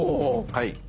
はい。